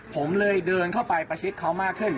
ผมเลยเดินเข้าไปประชิดเขามากขึ้น